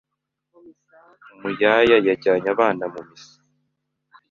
umuyaya yajyanye abana mu misa,